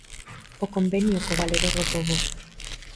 O convenio co Valedor do Pobo.